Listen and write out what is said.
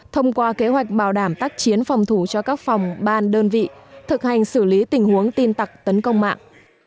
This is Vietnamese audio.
thông qua kế hoạch bảo đảm tác chiến phòng thủ cho các phòng ban đơn vị thực hành xử lý tình huống tin tặc tấn công mạng